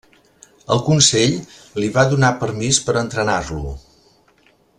El consell li va donar permís per entrenar-lo.